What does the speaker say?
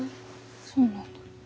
そうなんだ。